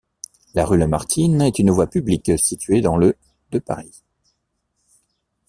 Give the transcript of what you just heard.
La rue Lamartine est une voie publique située dans le de Paris.